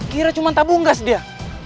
kira cuman tabungas dia